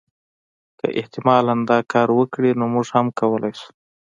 که احتمالا دا کار وکړي نو موږ هم کولای شو.